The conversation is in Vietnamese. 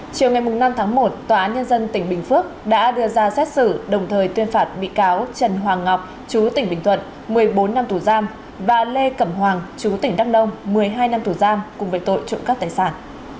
chiều ngày năm tháng một tòa án nhân dân tỉnh bình phước đã đưa ra xét xử đồng thời tuyên phạt bị cáo trần hoàng ngọc chú tỉnh bình thuận một mươi bốn năm tù giam và lê cẩm hoàng chú tỉnh đắk nông một mươi hai năm tù giam cùng với tội trộm cắp tài sản